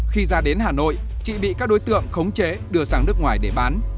khi ra đến hà nội chị bị các đối tượng khống chế đưa sang nước ngoài để bán